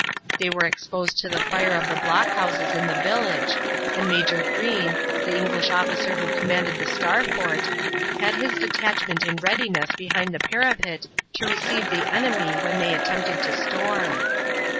They were exposed to the fire of the block houses in the village, and Major Green, the English officer who commanded the Star fort, had his detachment in readiness behind the parapet to receive the enemy when they attempted to storm.